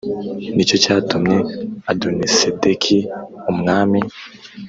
Ni cyo cyatumye Adonisedeki umwami